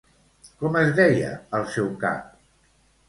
Com es deia el seu cap?